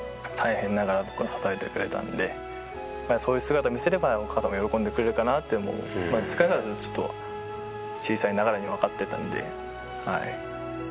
まあそういう姿を見せればお母さんも喜んでくれるかなっていうのも少なからずちょっとは小さいながらにわかってたんで。